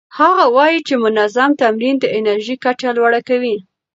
هغه وايي چې منظم تمرین د انرژۍ کچه لوړه کوي.